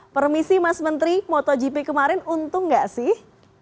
permisi mas menteri motogp kemarin untung gak sih